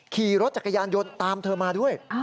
ขี่รถจักรยานยนต์ตามเธอมาด้วย